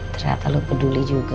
ternyata lo peduli juga